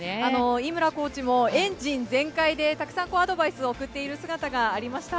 井村コーチもエンジン全開でたくさんアドバイスを送っている姿がありました。